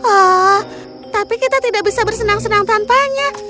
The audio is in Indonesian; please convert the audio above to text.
oh tapi kita tidak bisa bersenang senang tanpanya